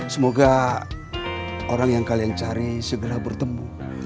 semoga orang yang kalian cari segera bertemu